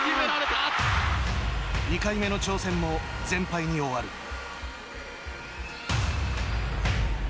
２回目の挑戦も全敗に終わる。